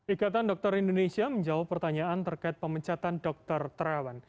ikatan dokter indonesia menjawab pertanyaan terkait pemecatan dokter terawan